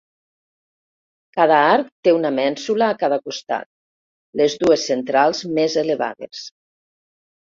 Cada arc té una mènsula a cada costat, les dues centrals més elevades.